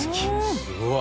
すごい。